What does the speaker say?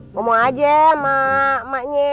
ngomong aja sama emaknya